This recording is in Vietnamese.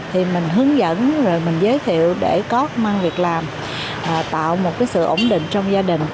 thì mình hướng dẫn rồi mình giới thiệu để có công an việc làm tạo một sự ổn định trong gia đình